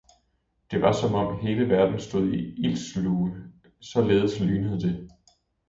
Det var, som hele verden stod i ildslue, således lynede det.